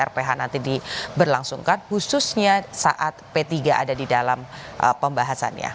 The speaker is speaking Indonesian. rph nanti diberlangsungkan khususnya saat p tiga ada di dalam pembahasannya